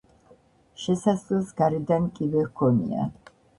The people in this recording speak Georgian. შესასვლელს გარედან კიბე ჰქონია.